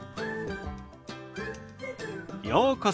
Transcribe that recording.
ようこそ。